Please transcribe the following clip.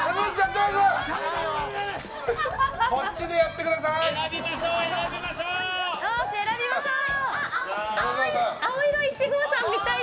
こっちでやってください。